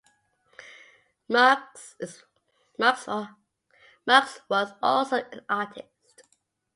Muggs was also an artist.